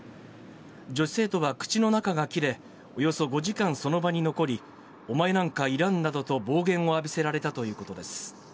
女子生徒は口の中が切れ、およそ５時間その場に残り、お前なんかいらんなどと暴言を浴びせられたということです。